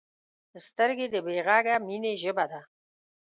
سترګې د بې غږه مینې ژبه ده